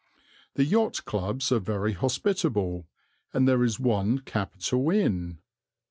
The yacht clubs are very hospitable, and there is one capital inn.